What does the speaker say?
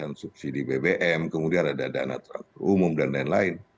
kemudian subsidi bbm kemudian ada dana terlalu umum dan lain lain